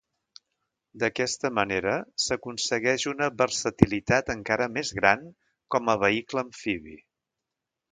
D'aquesta manera s'aconsegueix una versatilitat encara més gran com a vehicle amfibi.